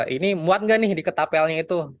ini muat nggak nih di ketapelnya itu